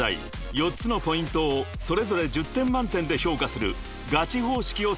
４つのポイントをそれぞれ１０点満点で評価するガチ方式を採用］